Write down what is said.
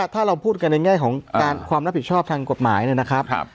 ถ้าเราพูดกันในแง่ของการความรับผิดชอบทางกฎหมายเนี่ยนะครับ